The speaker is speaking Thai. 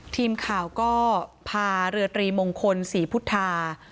ทีมข่าวก็พาเรือตรีมงคลศรีพุทธา